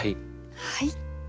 はい。